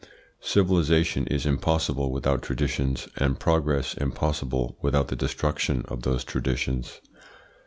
Civilisation is impossible without traditions, and progress impossible without the destruction of those traditions.